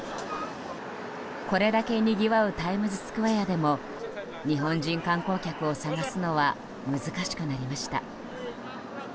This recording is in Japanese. これだけにぎわうタイムズスクエアでも日本人観光客を探すのは難しくなりました。